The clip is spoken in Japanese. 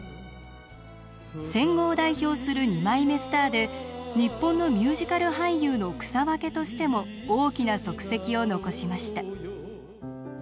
戦後を代表する二枚目スターで日本のミュージカル俳優の草分けとしても大きな足跡を残しました。